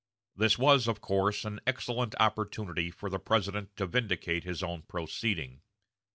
This was, of course, an excellent opportunity for the President to vindicate his own proceeding.